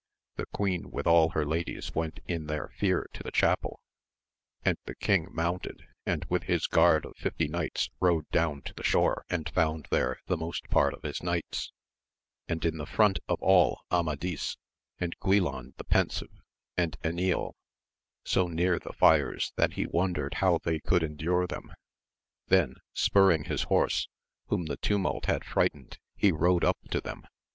The Queen with all her ladies went in their fear to the chapel, and the king mounted, and with his guard of fifty knights rode down to the shore, 74 AMADIS OF GAUL. and found there the most part of his knights, and in the front of ^U Amadis, and Guilan the Pensive, and Enil, so near the fires that he wondered how they cotdd endure them ; then spurring his horse, whom the tumult had frightened, he rode up to them.